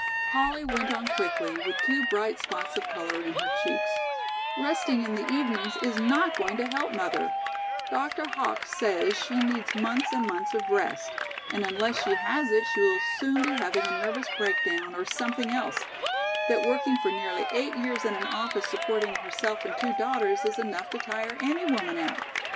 Polly went on quickly, with two bright spots of color in her cheeks: "Resting in the evenings is not going to help mother; Dr. Hawkes says she needs months and months of rest and unless she has it she will soon be having a nervous breakdown or something else; that working for nearly eight years in an office supporting herself and two daughters is enough to tire any woman out.